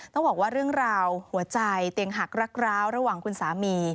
ต้องบอกว่าเรื่องราวหัวใจเตียงหักรักร้าวระหว่างคุณสามี